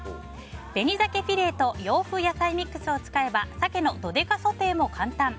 紅鮭フィレーと洋風野菜ミックスを使えば鮭のどでかソテーも簡単。